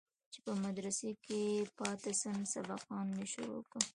چې په مدرسه كښې پاته سم سبقان مې شروع كم.